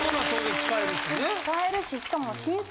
使えるししかも。